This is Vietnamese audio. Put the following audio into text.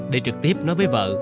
để trực tiếp nói với vợ